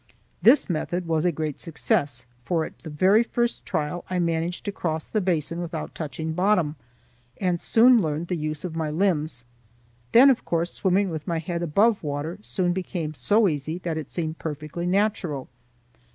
This method was a great success, for at the very first trial I managed to cross the basin without touching bottom, and soon learned the use of my limbs. Then, of course, swimming with my head above water soon became so easy that it seemed perfectly natural.